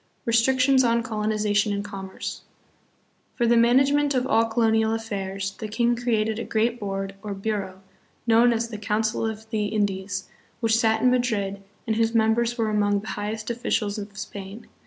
Restrictions on Colonization and Commerce. For the management of all colonial affairs the king created a great board, or bureau, known as the "Council of the In dies," which sat in Madrid and whose members were among the highest officials of Spain.